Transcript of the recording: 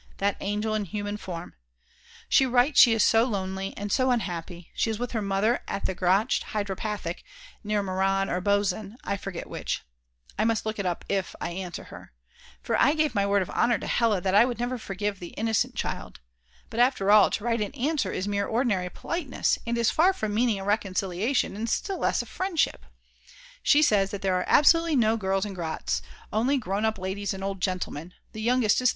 that angel in human form! She writes she is so lonely and so unhappy; she is with her mother at the Gratsch Hydropathic near Meran or Bozen, I forget which, I must look it up if I answer her. For I gave my word of honour to Hella that I would never forgive the "innocent child." But after all, to write an answer is mere ordinary politeness, and is far from meaning a reconciliation, and still less a friendship. She says that there are absolutely no girls in Gratsch, only grown up ladies and old gentlemen, the youngest is 32!